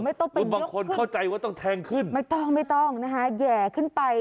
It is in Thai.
เออมันบางคนเข้าใจว่าต้องแทงขึ้นไม่ต้องนะฮะแย่ขึ้นไป